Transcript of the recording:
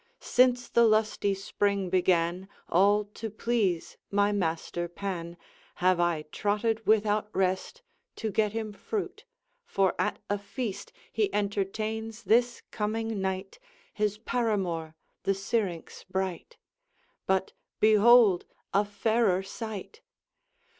Since the lusty spring began, All to please my master Pan, Have I trotted without rest To get him fruit; for at a feast He entertains this coming night His paramour the Syrinx bright: But behold a fairer sight!